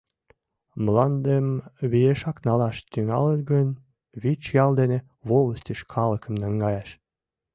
Мландым виешак налаш тӱҥалыт гын, вич ял дене волостьыш калыкым наҥгаяш.